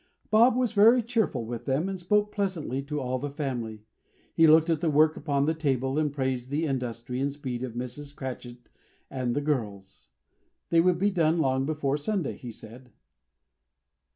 Bob was very cheerful with them, and spoke pleasantly to all the family. He looked at the work upon the table, and praised the industry and speed of Mrs. Cratchit and the girls. They would be done long before Sunday, he said.